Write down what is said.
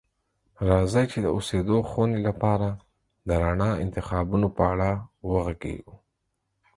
راځئ چې د اوسیدو خونې لپاره د رڼا انتخابونو په اړه وغږیږو.